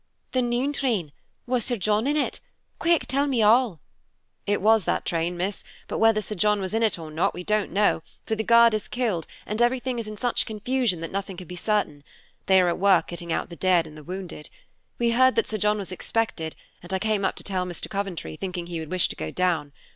"The noon train? Was Sir John in it? Quick, tell me all!" "It was that train, miss, but whether Sir John was in it or not, we don't know; for the guard is killed, and everything is in such confusion that nothing can be certain. They are at work getting out the dead and wounded. We heard that Sir John was expected, and I came up to tell Mr. Coventry, thinking he would wish to go down.